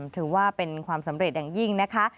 ถือว่าเป็นความสำเร็จอย่างยิ่งนะคะ